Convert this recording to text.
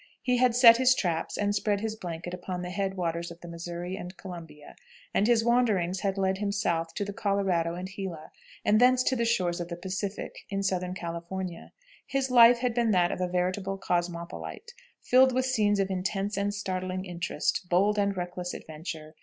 He had set his traps and spread his blanket upon the head waters of the Missouri and Columbia; and his wanderings had led him south to the Colorado and Gila, and thence to the shores of the Pacific in Southern California. His life had been that of a veritable cosmopolite, filled with scenes of intense and startling interest, bold and reckless adventure.